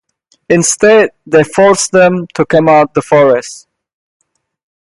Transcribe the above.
Instead, they forced them to come out of the forest.